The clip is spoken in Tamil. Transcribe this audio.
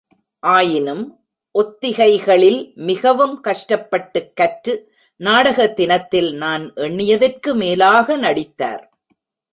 ஆயினும், ஒத்திகைகளில் மிகவும் கஷ்டப்பட்டுக் கற்று நாடக தினத்தில் நான் எண்ணியதற்கு மேலாக நடித்தார்.